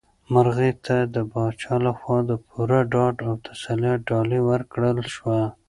مرغۍ ته د پاچا لخوا د پوره ډاډ او تسلیت ډالۍ ورکړل شوه.